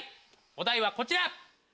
お題はこちら！